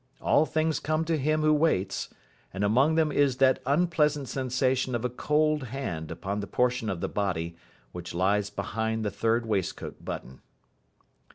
All things come to him who waits, and among them is that unpleasant sensation of a cold hand upon the portion of the body which lies behind the third waistcoat button.